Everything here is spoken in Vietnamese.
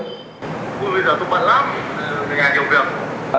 cũng bây giờ tôi bận lắm nhà nhiều việc